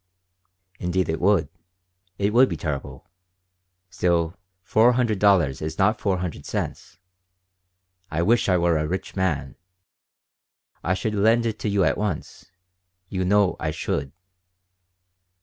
"Indeed it would. It would be terrible. Still, four hundred dollars is not four hundred cents. I wish I were a rich man. I should lend it to you at once. You know I should."